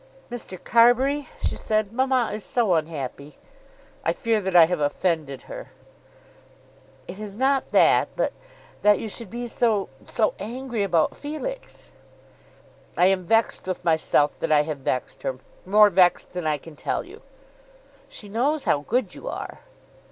"Mr. Carbury," she said, "mamma is so unhappy!" "I fear that I have offended her." "It is not that, but that you should be so, so angry about Felix." "I am vexed with myself that I have vexed her, more vexed than I can tell you." "She knows how good you are."